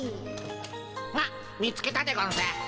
あっ見つけたでゴンス。